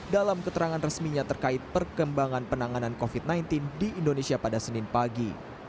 dalam keterangan resminya terkait perkembangan penanganan covid sembilan belas di indonesia pada senin pagi